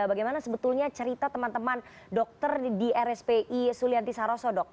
bagaimana sebetulnya cerita teman teman dokter di rspi sulianti saroso dok